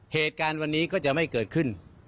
เหตุการณ์วันนี้ก็จะไม่เกิดขึ้น